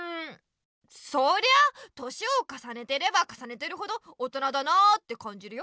そりゃあ年をかさねてればかさねてるほど大人だなってかんじるよ。